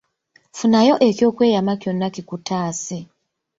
Funayo ekyokweyama kyonna kikutaase.